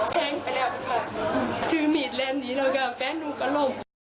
แท้งไปแล้วค่ะถือมีดแหลมนี้แล้วกับแฟนดูก็ล่ม